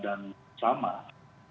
dalam momentum tertentu itu biasa